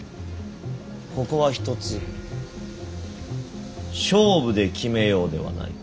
ここはひとつ勝負で決めようではないか。